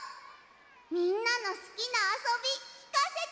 みんなのすきなあそびきかせて！